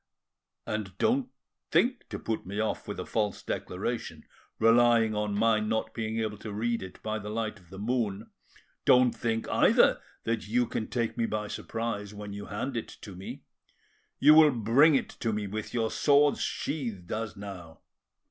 And don't think to put me off with a false declaration, relying on my not being able to read it by the light of the moon; don't think either that you can take me by surprise when you hand it me: you will bring it to me with your swords sheathed as now.